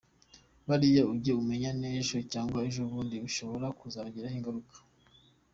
Bariya ujye umenya ko ejo cyangwa ejo bundi bishobora kuzabagiraho ingaruka.